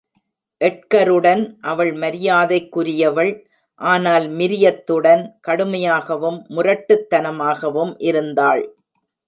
எட்கருடன் அவள் மரியாதைக்குரியவள், ஆனால் மிரியத்துடன் கடுமையாகவும் முரட்டுத்தனமாகவும் இருந்தாள்.